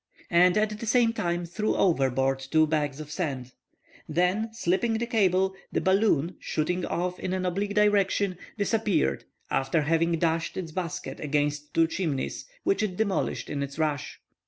and at the same time threw overboard two bags of sand. Then, slipping the cable, the balloon, shooting off in an oblique direction, disappeared, after having dashed its basket against two chimneys, which it demolished in its rush.